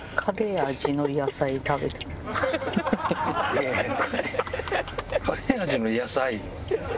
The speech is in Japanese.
いやいやカレー味の野菜？